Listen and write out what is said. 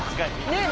ねえ。